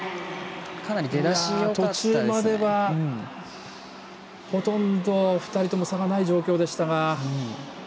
途中までは、ほとんど２人とも差がない状況でしたが。